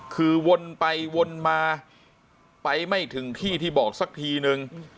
คือวนไปวนมาไปไม่ถึงที่ที่บอกสักทีนึง